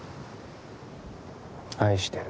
愛してる。